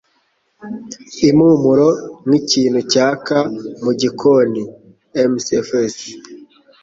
Impumuro nkikintu cyaka mugikoni. (mcfs)